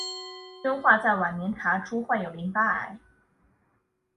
宣化在晚年查出患有淋巴癌。